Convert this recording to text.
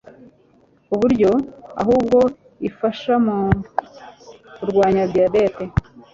ku buryo ahubwo ifasha mu kurwanya diyabete